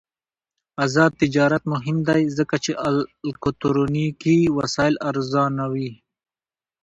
آزاد تجارت مهم دی ځکه چې الکترونیکي وسایل ارزانوي.